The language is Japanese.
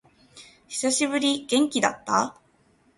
久しぶり。元気だった？